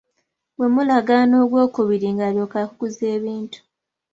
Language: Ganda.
Bwe mulagaana ogwokubiri ng'alyoka akuguza ebintu.